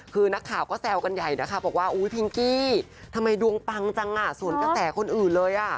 คือนักข่าวก็แซวกันใหญ่นะคะบอกว่าอุ๊ยพิงกี้ทำไมดวงปังจังอ่ะสวนกระแสคนอื่นเลย